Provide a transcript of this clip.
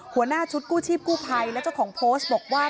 หัวหน้าชุดกู้ชีพกู้ภัยและเจ้าของโพสต์บอกว่า